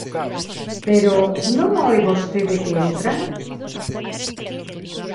Pero, non oe vostede que entran?